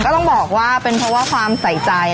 ต้องบอกว่าเป็นเพราะว่าความใส่ใจ